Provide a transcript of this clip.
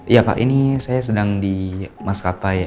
iya pak ini saya sedang di maskapai